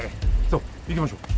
さあ行きましょう。